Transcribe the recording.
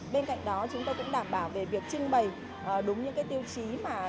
bên cạnh đó chúng tôi cũng đảm bảo về việc trưng bày đúng những tiêu chí